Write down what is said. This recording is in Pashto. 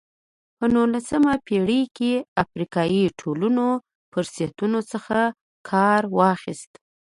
په نولسمه پېړۍ کې افریقایي ټولنو فرصتونو څخه کار واخیست.